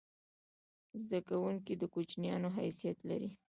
زده کوونکی د کوچنیانو حیثیت لري.